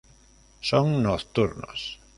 Son nocturnos.